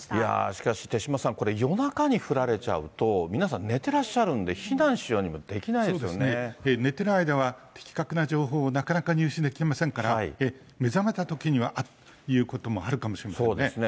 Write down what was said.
しかし手嶋さん、これ、夜中に降られちゃうと、皆さん、寝てらっしゃるんで、寝てる間は、的確な情報をなかなか入手できませんから、目覚めたときには、あっということもあるかもしれないですね。